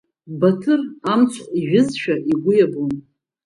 Баҭыр амцхә ижәызшәа игәы иабон.